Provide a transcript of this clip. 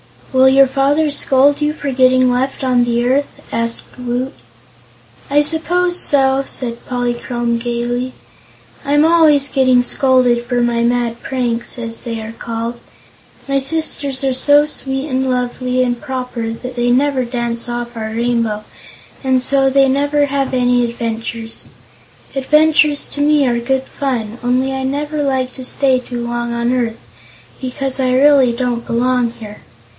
"Will your father scold you for getting left on the earth?" asked Woot. "I suppose so," said Polychrome gaily; "I'm always getting scolded for my mad pranks, as they are called. My sisters are so sweet and lovely and proper that they never dance off our Rainbow, and so they never have any adventures. Adventures to me are good fun, only I never like to stay too long on earth, because I really don't belong here.